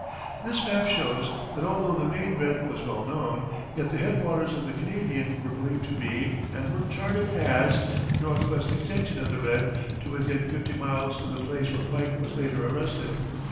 This map shows that although the main Red was well known, yet the head waters of the Canadian were believed to be, and were charted as, the northwest extension of the Red to within fifty miles of the place where Pike was later arrested.